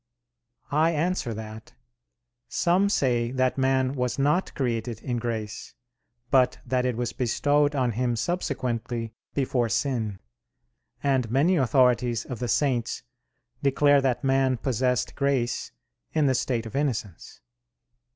I answer that, Some say that man was not created in grace; but that it was bestowed on him subsequently before sin: and many authorities of the Saints declare that man possessed grace in the state of innocence.